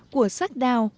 của sách đào